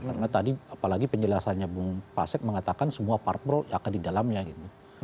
karena tadi apalagi penjelasannya bang pasek mengatakan semua part pro akan di dalamnya gitu